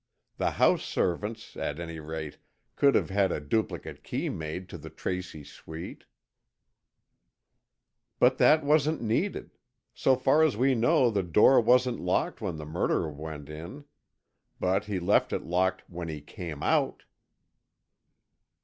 The house servants, at any rate, could have had a duplicate key made to the Tracy suite——" "But that wasn't needed. So far as we know the door wasn't locked when the murderer went in. But he left it locked when he came out."